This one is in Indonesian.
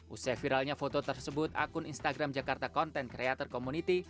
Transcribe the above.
usai viralnya foto tersebut akun instagram jakarta content creator community